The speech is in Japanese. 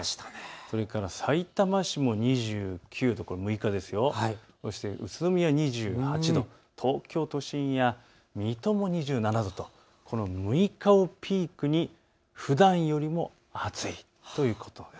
それからさいたま市も２９、宇都宮２８度、東京都心や水戸も２７度と６日をピークにふだんよりも暑い。